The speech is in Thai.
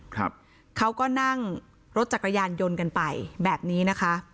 ครับเขาก็นั่งรถจักรยานยนต์กันไปแบบนี้นะคะ